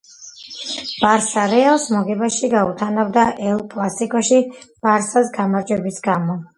ბარსა რეალს მოგებებში გაუთანაბრდა ელ კლასიკოში ბარსას გამარჟვების გამო